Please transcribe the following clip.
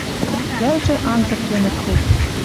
Йӓлжӹ анзык кенӹт тек.